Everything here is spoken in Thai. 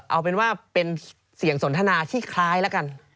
เอาเป็นว่าเป็นเสียงสนทนาที่คล้ายแล้วกัน